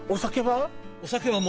お酒は？